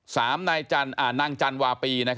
สามนายนางจันวาปี